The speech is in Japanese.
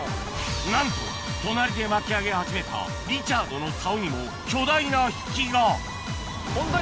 なんと隣で巻き上げ始めたリチャードの竿にも巨大な引きがホントに。